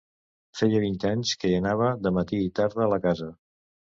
Feia vint anys que hi anava de matí i tarde a la casa.